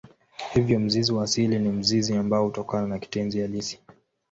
Hivyo mzizi wa asili ni mzizi ambao hutokana na kitenzi halisi.